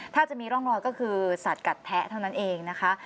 ถ้าจะมีร่องรอยก็คือสัตว์กัดแทะเท่านั้นเองนะคะ